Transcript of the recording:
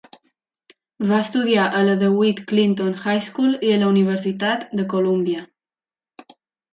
Va estudiar a la DeWitt Clinton High School i a la Universitat de Columbia.